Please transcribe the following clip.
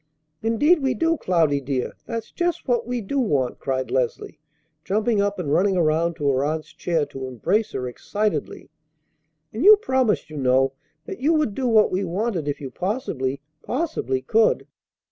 "Indeed we do, Cloudy, dear! That's just what we do want!" cried Leslie, jumping up and running around to her aunt's chair to embrace her excitedly. "And you promised, you know, that you would do what we wanted if you possibly, possibly could."